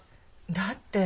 だって。